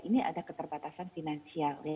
ini ada keterbatasan finansial